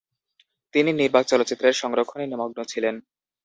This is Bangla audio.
তিনি নির্বাক চলচ্চিত্রের সংরক্ষণে নিমগ্ন ছিলেন।